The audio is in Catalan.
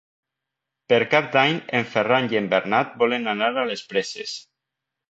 Per Cap d'Any en Ferran i en Bernat volen anar a les Preses.